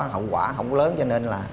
hậu quả không lớn cho nên là